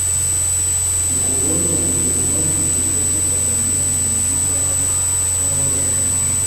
ukoloni wa ujerumani uliondoka tanzania kwenye vita ya kwanza ya dunia